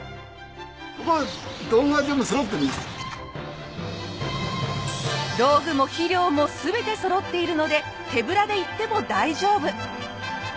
ここは道具も肥料も全てそろっているので手ぶらで行っても大丈夫。